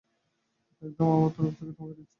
একদম আমার তরফ থেকে তোমাকে দিচ্ছি।